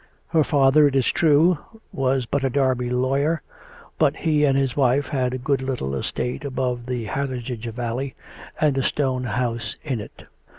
Her father, it is true, was but a Derby law yer, but he and his wife had a good little estate above the Hathersage valley, and a stone house in it.